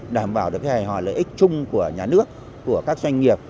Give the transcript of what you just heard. đảm bảo được hài hòa lợi ích chung của nhà nước của các doanh nghiệp